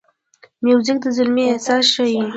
موزیک د زلمي احساس ښيي.